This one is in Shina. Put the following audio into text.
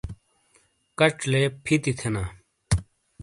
کَچ لے پھِیتی تھینا ۔